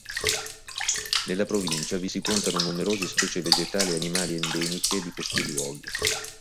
Nella provincia vi si contano numerose specie vegetali e animali endemiche di questi luoghi.